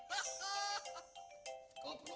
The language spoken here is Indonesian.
kau perlu uang